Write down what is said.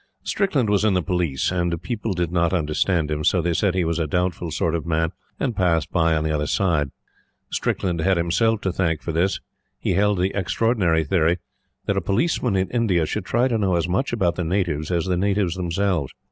Strickland was in the Police, and people did not understand him; so they said he was a doubtful sort of man and passed by on the other side. Strickland had himself to thank for this. He held the extraordinary theory that a Policeman in India should try to know as much about the natives as the natives themselves.